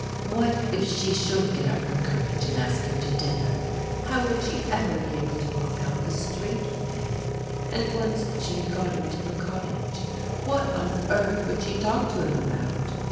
What if she should get up her courage and ask him to dinner, how would she ever be able to walk out the street with him! And once she had got him to her cottage, what on earth would she talk to him about?